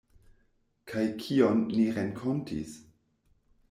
Kaj kion ni renkontis?